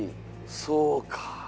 そうか。